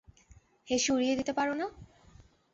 হেসে উড়িয়ে দিতে পারো না?